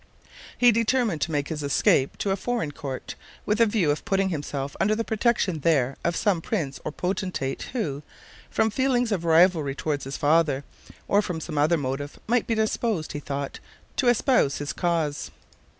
He determined to make his escape to a foreign court, with a view of putting himself under the protection there of some prince or potentate who, from feelings of rivalry toward his father, or from some other motive, might be disposed, he thought, to espouse his cause.